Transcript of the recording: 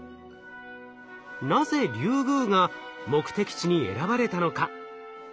なぜリュウグウが目的地に選ばれたのか？